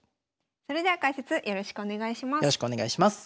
それでは解説よろしくお願いします。